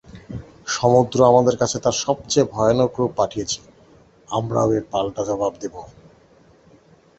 সমুদ্র আমাদের কাছে তার সবচেয়ে ভয়ানক রূপ পাঠিয়েছে, আমরাও এর পাল্টা জবাব দেবো।